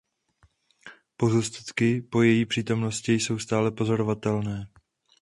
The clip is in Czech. Pozůstatky po její přítomnosti jsou stále pozorovatelné.